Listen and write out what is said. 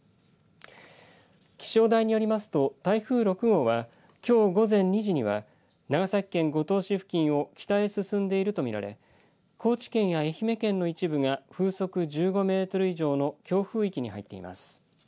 気象台によりますと台風６号はきょう午前２時には長崎県五島市付近を北へ進んでいると見られ高知県や愛媛県の一部が風速１５メートル以上の強風域に入っています。